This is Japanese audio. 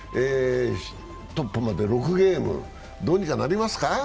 トップまで６ゲーム、どうにかなりますか？